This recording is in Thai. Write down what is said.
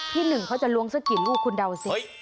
ที่หนึ่งเขาจะล้วงสักกี่ลูกคุณเดาสิ